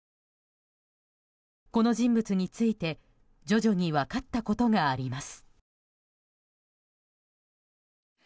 この人物について徐々に分かったことがあります。